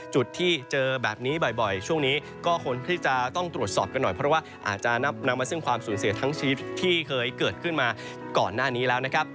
จุดที่เจอแบบนี้บ่อยช่วงนี้ก็ควรที่จะต้องตรวจสอบกันหน่อยเพราะว่าอาจจะนำมาซึ่งความสูญเสียทั้งชีวิตที่เคยเกิดขึ้นมาก่อนหน้านี้แล้วนะครับ